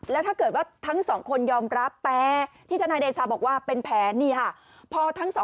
แล้วถ้าเกิดว่าทั้งสองคนยอมรับแต่ที่ทนายเดชาบอกว่าเป็นแผนนี่ค่ะ